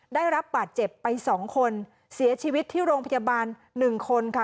ได้รับบาดเจ็บไปสองคนเสียชีวิตที่โรงพยาบาล๑คนค่ะ